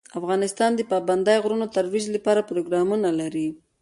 افغانستان د پابندی غرونه د ترویج لپاره پروګرامونه لري.